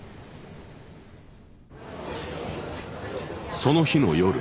その日の夜。